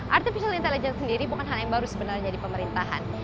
artificial intelligence sendiri bukan hal yang baru sebenarnya di pemerintahan